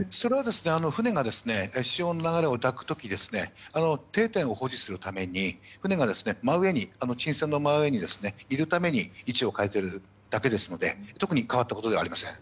船が潮の流れを抱く時定点を保持するために船が真上にいるために位置を変えているだけですので特に変わったことではありません。